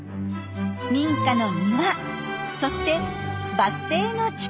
民家の庭そしてバス停の近くにも。